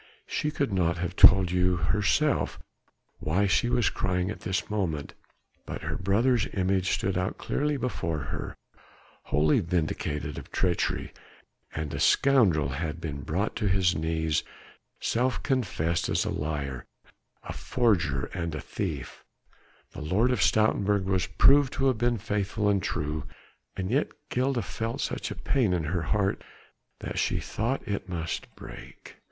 She could not have told you herself why she was crying at this moment. Her brother's image stood out clearly before her wholly vindicated of treachery, and a scoundrel had been brought to his knees, self confessed as a liar, a forger and a thief; the Lord of Stoutenburg was proved to have been faithful and true, and yet Gilda felt such a pain in her heart that she thought it must break.